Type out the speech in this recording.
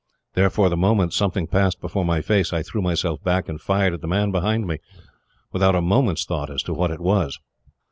Therefore, the moment something passed before my face, I threw myself back and fired at the man behind me, without a moment's thought as to what it was."